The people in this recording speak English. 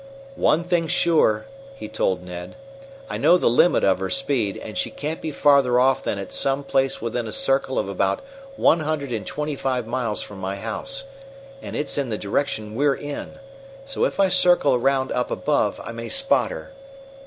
"One thing's sure," he told Ned: "I know the limit of her speed, and she can't be farther off than at some place within a circle of about one hundred and twenty five miles from my house. And it's in the direction we're in. So if I circle around up above, I may spot her."